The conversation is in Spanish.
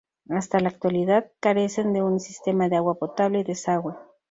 Hasta la actualidad, carecen de un sistema de agua potable y desagüe.